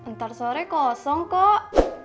ntar suaranya kosong kok